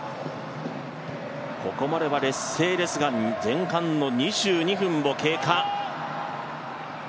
ここまでは劣勢ですが、前半の２２分が経過。